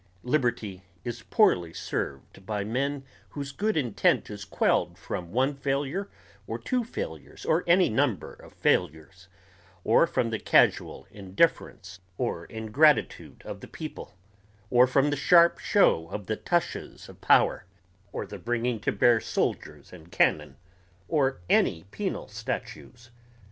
Liberty is poorly served by men whose good intent is quelled from one failure or two failures or any number of failures, or from the casual indifference or ingratitude of the people, or from the sharp show of the tushes of power, or the bringing to bear soldiers and cannon or any penal statutes.